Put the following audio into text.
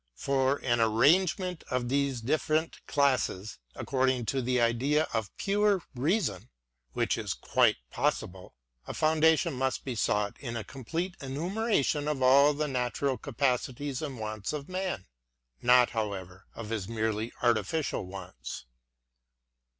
For an arrangement of these different classes according to the ideas of Pure Reason, which is quite possible, a founda K>0 must he sought in a complete enumeration of all the 1 capacities and wants of man; — not, however, of his THE VOCATION OF THE SCHOLAR. 51 merely artificial wants.